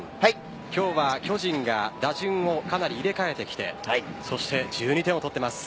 今日は巨人が打順をかなり入れ替えてきて１２点を取っています。